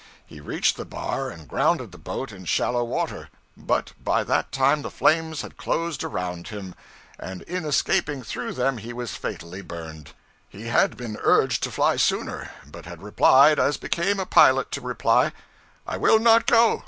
He reached the bar and grounded the boat in shallow water; but by that time the flames had closed around him, and in escaping through them he was fatally burned. He had been urged to fly sooner, but had replied as became a pilot to reply 'I will not go.